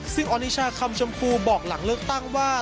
ซึ่งออนิชาคำชมพูบอกหลังเลือกตั้งว่า